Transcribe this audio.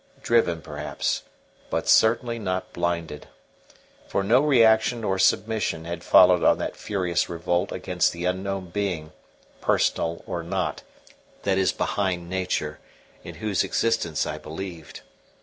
Driven, perhaps, but certainly not blinded. For no reaction, or submission, had followed on that furious revolt against the unknown being, personal or not, that is behind nature, in whose existence I believed.